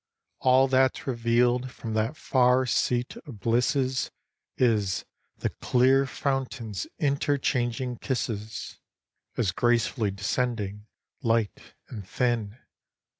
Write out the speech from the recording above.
All that 's reveal'd from that far seat of blisses, Is, the clear fountains' interchanging kisses. As gracefully descending, light and thin.